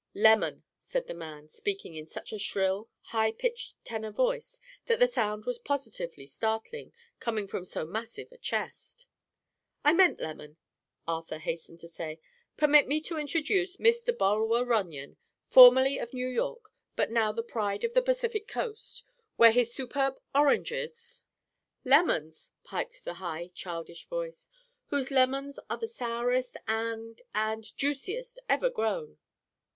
"Lemon," said the man, speaking in such a shrill, high pitched tenor voice that the sound was positively startling, coming from so massive a chest. "I meant lemon," Arthur hastened to say. "Permit me to introduce Mr. Bulwer Runyon, formerly of New York but now the pride of the Pacific coast, where his superb oranges—" "Lemons," piped the high, childish voice. "Whose lemons are the sourest and—and—juiciest ever grown."